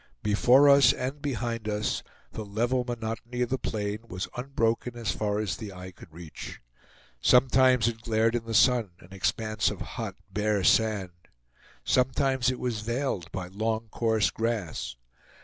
Before us and behind us, the level monotony of the plain was unbroken as far as the eye could reach. Sometimes it glared in the sun, an expanse of hot, bare sand; sometimes it was veiled by long coarse grass.